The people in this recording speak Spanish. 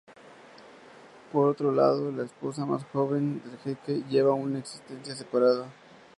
Por otro lado, la esposa más joven del Jeque lleva una existencia separada.